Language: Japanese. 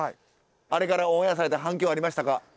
あれからオンエアされて反響ありましたか？